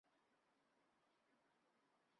桑莫塞郡为美国最老的郡之一。